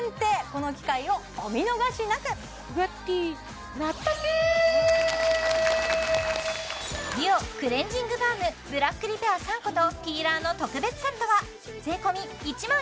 この機会をお見逃しなくＤＵＯクレンジングバームブラックリペア３個とピーラーの特別セットは税込